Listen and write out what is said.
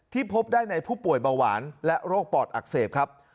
พบได้ในผู้ป่วยเบาหวานและโรคปอดอักเสบครับ